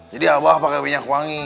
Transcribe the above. jadi abah pake minyak wangi